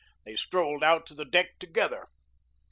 They strolled out to the deck together.